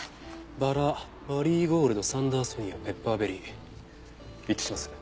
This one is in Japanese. バラマリーゴールドサンダーソニアペッパーベリー一致します。